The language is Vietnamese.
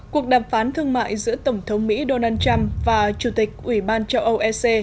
cuộc đàm phán thương mại giữa tổng thống mỹ donald trump và chủ tịch ủy ban châu âu ec